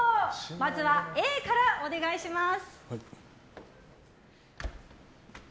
まずはＡからお願いします。